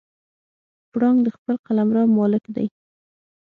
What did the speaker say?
پړانګ د خپل قلمرو مالک دی.